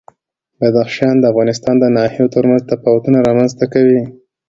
بدخشان د افغانستان د ناحیو ترمنځ تفاوتونه رامنځ ته کوي.